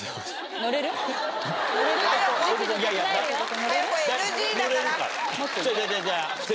乗れるから。